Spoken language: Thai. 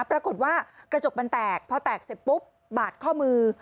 ปรากฏว่ากระจกมันแตกพอแตกเสร็จปุ๊บบาดข้อมือ